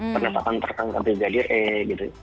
penetapan tersangka jadi ee gitu